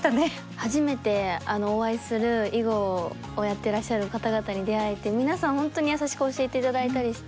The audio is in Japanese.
初めてお会いする囲碁をやってらっしゃる方々に出会えて皆さん本当に優しく教えて頂いたりして。